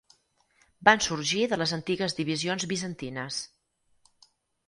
Van sorgir de les antigues divisions bizantines.